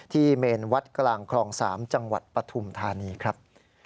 เมนวัดกลางคลอง๓จังหวัดปฐุมธานีครับ